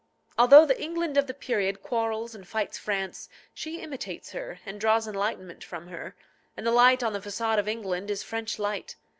Although the England of the period quarrels and fights France, she imitates her and draws enlightenment from her; and the light on the façade of England is French light.